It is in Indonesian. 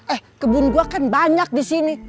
eh kebun gua kan banyak di sini